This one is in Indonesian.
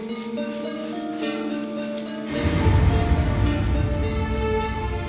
jangan lupa joko tingkir